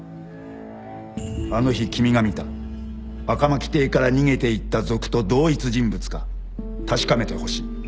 あの日君が見た赤巻邸から逃げていった賊と同一人物か確かめてほしい。